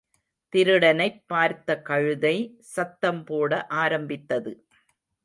திருடனைப் பார்த்த கழுதை சத்தம் போட ஆரம்பித்தது.